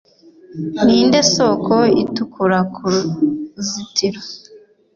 Ninde soko itukura k uruzitiro